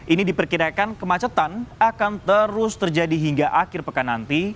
ini diperkirakan kemacetan akan terus terjadi hingga akhir pekan nanti